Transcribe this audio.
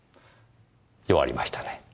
弱りましたね。